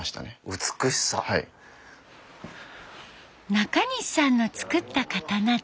中西さんの作った刀で。